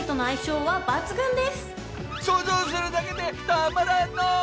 想像するだけでたまらんのう！